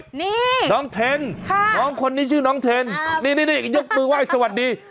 นี่น้องเทนน้องคนนี้ชื่อน้องเทนนี่ยกมือไหว้สวัสดี